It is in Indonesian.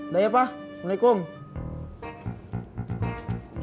udah ya pak waalaikumsalam